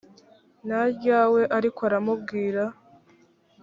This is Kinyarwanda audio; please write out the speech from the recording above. na ryawe ariko aramubwira